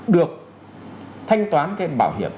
được thanh toán cái bảo hiểm